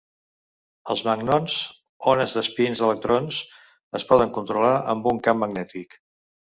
Els magnons, ones d'espins d'electrons, es poden controlar amb un camp magnètic.